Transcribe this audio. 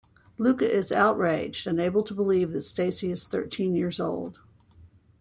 Luca is outraged, unable to believe that Stacey is thirteen years old.